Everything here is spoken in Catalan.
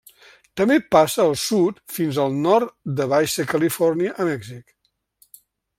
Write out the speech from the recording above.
També passa al sud fins al nord de Baixa Califòrnia a Mèxic.